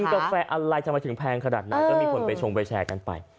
คือกาแฟอะไรทำไมถึงแพงขนาดไหนก็มีคนไปชงไปแชร์กันไป